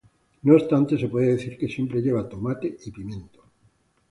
No obstante se puede decir que siempre lleva tomate y pimiento.